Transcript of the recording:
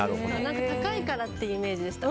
高いからっていうイメージでした。